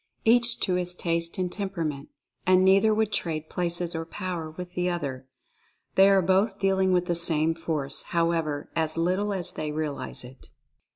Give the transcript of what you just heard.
Each to his taste and temperament — and neither would "trade" places or power with the other. They are both deal ing with the same Force, however, as little as they realize it.